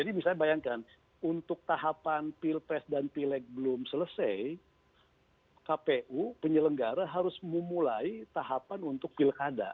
jadi misalnya bayangkan untuk tahapan pilpres dan pileg belum selesai kpu penyelenggara harus memulai tahapan untuk pilkada